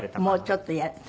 もうちょっと。